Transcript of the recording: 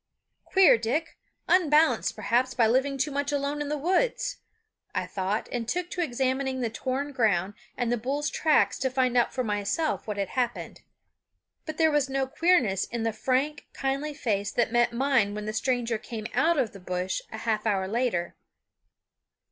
"Queer Dick! unbalanced, perhaps, by living too much alone in the woods," I thought, and took to examining the torn ground and the bull's tracks to find out for myself what had happened. But there was no queerness in the frank, kindly face that met mine when the stranger came out of the bush a half hour later.